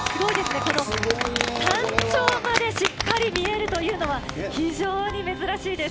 この山頂までしっかり見えるというのは、非常に珍しいです。